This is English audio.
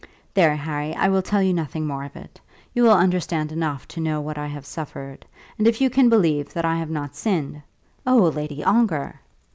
There, Harry, I will tell you nothing more of it. You will understand enough to know what I have suffered; and if you can believe that I have not sinned " "Oh, Lady Ongar!"